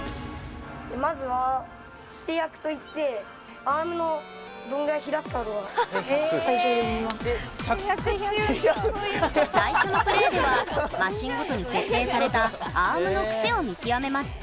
まずは最初のプレーではマシーンごとに設定されたアームのクセを見極めます。